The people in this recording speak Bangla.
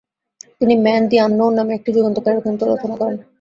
তিনি 'ম্যান দি আননোন' নামে একটি যুগান্তকারী গ্রন্থ রচনা করেন।